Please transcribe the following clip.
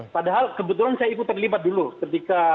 padahal kebetulan saya ikut terlibat dulu ketika